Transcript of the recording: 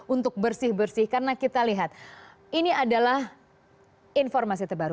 untuk bersih bersih karena kita lihat ini adalah informasi terbaru